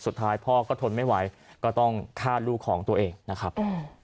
สุดท้ายพ่อก็ทนไม่ไหวก็ต้องฆ่าลูกของตัวเองนะครับ